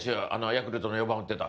ヤクルトの４番打ってた。